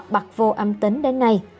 bật vô âm tính đến nay